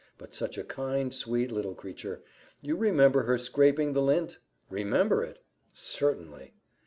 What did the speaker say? but such a kind, sweet, little creature! You remember her scraping the lint!" "Remember it! certainly."